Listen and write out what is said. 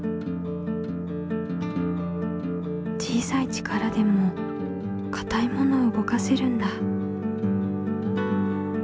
小さい力でもかたいものを動かせるんだ。